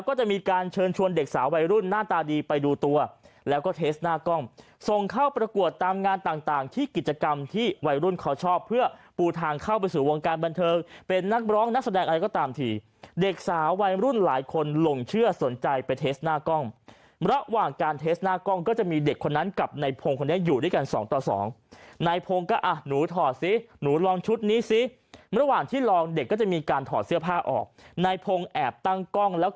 กิจกรรมที่วัยรุ่นเขาชอบเพื่อปูทางเข้าไปสู่วงการบรรเทิงเป็นนักร้องนักแสดงอะไรก็ตามถี่เด็กสาววัยรุ่นหลายคนหลงเชื่อสนใจไปเทสต์หน้ากล้องระหว่างการเทสต์หน้ากล้องก็จะมีเด็กคนนั้นกับในพงศ์คนนี้อยู่ด้วยกันสองต่อสองในพงศ์ก็อ่ะหนูถอดสิหนูลองชุดนี้สิระหว่างที่ลองเด็กก็จะมีการถอดเสื้อ